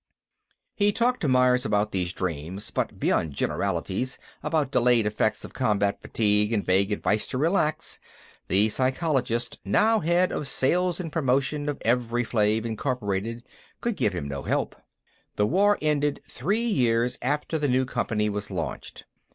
He talked to Myers about these dreams, but beyond generalities about delayed effects of combat fatigue and vague advice to relax, the psychologist, now head of Sales & Promotion of Evri Flave, Inc., could give him no help. The war ended three years after the new company was launched.